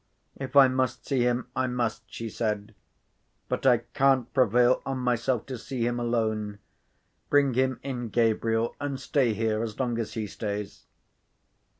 "If I must see him, I must," she said. "But I can't prevail on myself to see him alone. Bring him in, Gabriel, and stay here as long as he stays."